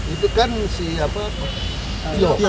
itu kan si apa